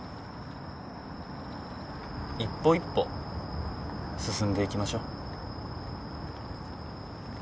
一歩一歩進んでいきましょう。